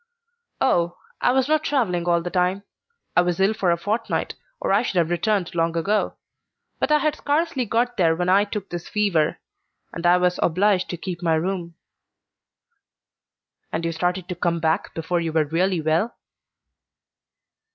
"Oh, I was not travelling all the time. I was ill for a fortnight or I should have returned long ago; but I had scarcely got there when I took this fever, and I was obliged to keep my room." "And you started to come back before you were really well?"